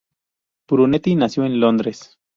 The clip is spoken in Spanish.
Brunetti nació en Londres.